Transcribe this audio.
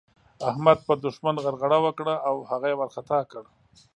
احمد پر دوښمن غرغړه وکړه او هغه يې وارخطا کړ.